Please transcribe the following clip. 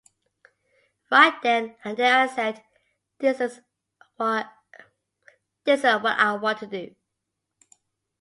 Right then and there I said 'This is what I want to do'.